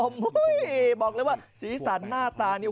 โอ้ยยยยเหนือบอกร้องสีสันหน้าตาเนี่ย